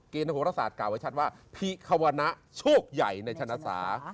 เกณฑโภครสาทกล่าวไว้ชัดว่าพิควณะโชคใหญ่ในชนะศา